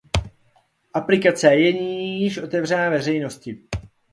Aplikace je nyní již otevřená veřejnosti.